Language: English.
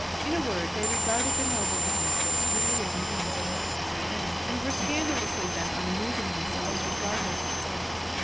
In a word, they regarded the noble game of whist merely as a means and not as an end, and were scandalously bent on amusing themselves regardless of Hoyle.